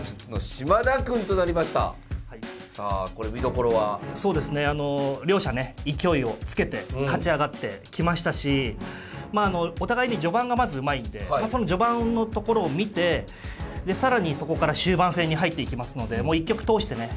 これ見どころは。両者ね勢いをつけて勝ち上がってきましたしお互いに序盤がまずうまいんでその序盤のところを見て更にそこから終盤戦に入っていきますのでもう一局通してね